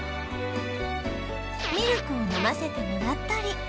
ミルクを飲ませてもらったり